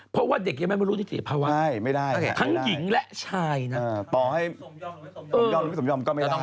เราต้องไม่ได้ใช่ไหม